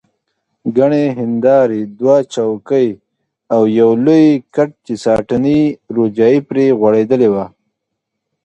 ګڼې هندارې، دوه چوکۍ او یو لوی کټ چې ساټني روجایې پرې غوړېدلې وه.